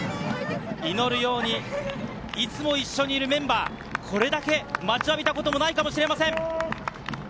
祈るようにいつも一緒にいるメンバー、これだけ待ちわびたこともないかもしれません。